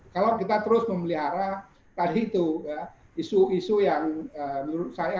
kalau kita terus memelihara tadi itu isu isu yang menurut saya